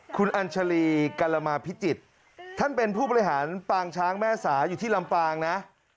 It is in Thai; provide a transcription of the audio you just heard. คุณอัญชาลีกรมาพิจิตรท่านเป็นผู้บริหารปางช้างแม่สาอยู่ที่ลำปางนะ